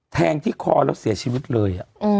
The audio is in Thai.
แทงที่คอแล้วเสียชีวิตเลย